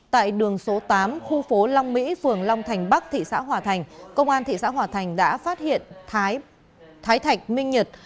tại đường số tám khu phố long mỹ phường long thành bắc thị xã hòa thành công an thị xã hòa thành đã phát hiện thái thạch minh nhật